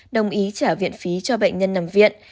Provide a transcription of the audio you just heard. đồng ý trả viện phí cho bệnh nhân nằm viện